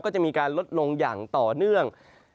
ก็จะมีการลดลงอย่างต่อเนื่อง